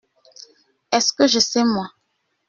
Est-ce que je sais, moi ?…